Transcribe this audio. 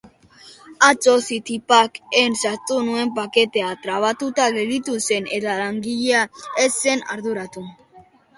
Atzo Citypaq-en sartu nuen paketea trabatuta gelditu zen eta langilea ez zen arduratu.